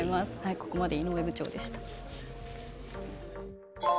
ここまで井上部長でした。